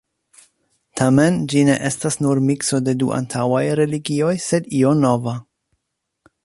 Tamen, ĝi ne estas nur mikso de du antaŭaj religioj, sed io nova.